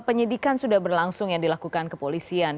penyidikan sudah berlangsung yang dilakukan kepolisian